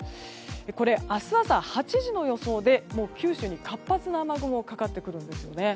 これは明日朝８時の予想で九州に活発な雨雲がかかってくるんですね。